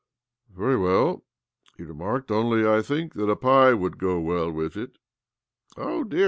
" Very well," he remarked. " Only, think that a pie would go well with it." " Oh dear